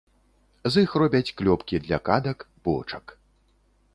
З іх робяць клёпкі для кадак, бочак.